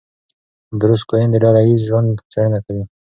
بروس کوئن د ډله ایز ژوند څېړنه کوي.